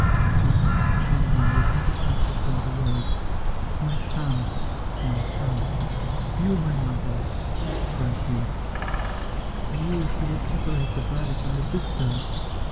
He, trembling, repeated after her the words, "My son! my son! You my mother!" cried he; "you, who would separate the brother from the sister!